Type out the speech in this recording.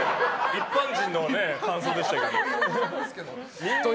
一般人の感想でしたけど。